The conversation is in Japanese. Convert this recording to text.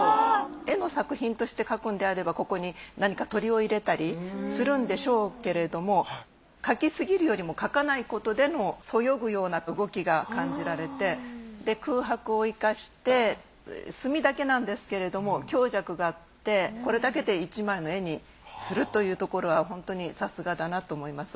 絵の作品として描くんであればここに何か鳥を入れたりするんでしょうけれども描きすぎるよりも描かないことでのそよぐような動きが感じられて空白を生かして墨だけなんですけれども強弱があってこれだけで１枚の絵にするというところはホントにさすがだなと思います。